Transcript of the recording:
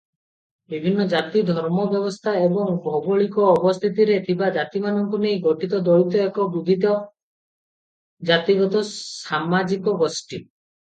ବିଭିନ୍ନ ଜାତି, ଧର୍ମ ବ୍ୟବସ୍ଥା ଏବଂ ଭୌଗୋଳିକ ଅବସ୍ଥିତିରେ ଥିବା ଜାତିମାନଙ୍କୁ ନେଇ ଗଠିତ ଦଳିତ ଏକ ବିବିଧ ଜାତିଗତ ସାମାଜିକ ଗୋଷ୍ଠୀ ।